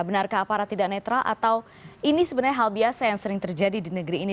benarkah aparat tidak netral atau ini sebenarnya hal biasa yang sering terjadi di negeri ini